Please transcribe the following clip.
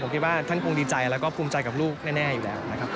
ผมคิดว่าท่านคงดีใจแล้วก็ภูมิใจกับลูกแน่อยู่แล้วนะครับ